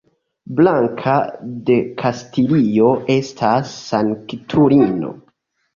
Blanka de Kastilio estas sanktulino.